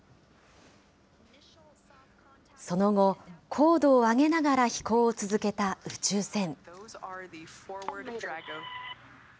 その後、高度を上げながら飛行を続けた宇宙船。